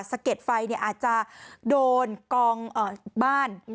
เก็ดไฟอาจจะโดนกองบ้าน